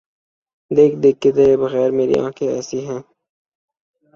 دیکھ دیکھ کہ تیرے بغیر میری آنکھیں ایسے ہیں۔